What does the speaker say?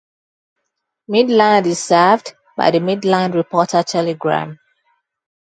Midland is served by the "Midland Reporter-Telegram".